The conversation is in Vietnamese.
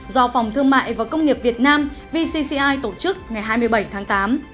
do phòng thương mại và công nghiệp việt nam vcci tổ chức ngày hai mươi bảy tháng tám